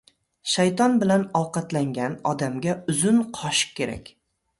• Shayton bilan ovqatlangan odamga uzun qoshiq kerak.